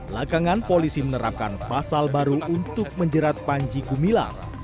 lakangan polisi menerapkan pasal baru untuk menjerat panji gumilang